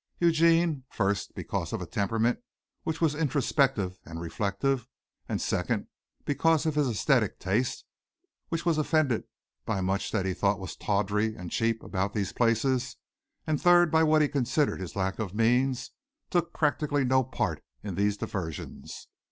Eugene, first because of a temperament which was introspective and reflective, and second because of his æsthetic taste, which was offended by much that he thought was tawdry and cheap about these places, and third by what he considered his lack of means, took practically no part in these diversions.